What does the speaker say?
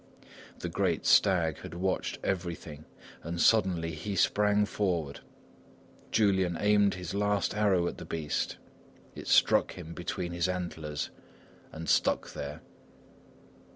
The great stag had watched everything and suddenly he sprang forward. Julian aimed his last arrow at the beast. It struck him between his antlers and stuck there.